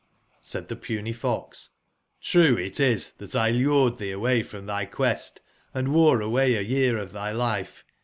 'Said tbe puny fox :'* ITrue it is tbat 1 lured tbee away from tby quest, and wore away a year of tby life.